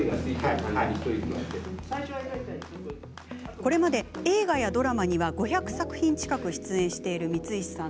これまで、映画やドラマには５００作品近く出演している光石さん。